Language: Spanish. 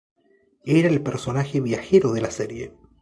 Era el personaje viajero de la serie.